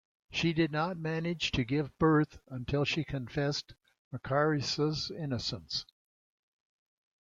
She did not manage to give birth until she confessed Macarius's innocence.